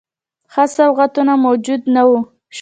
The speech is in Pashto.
ښه سوغاتونه موجود نه وه.